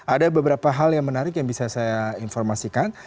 ada beberapa hal yang menarik yang bisa saya informasikan